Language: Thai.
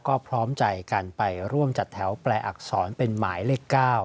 ก็พร้อมใจกันไปร่วมจัดแถวแปลอักษรเป็นหมายเลข๙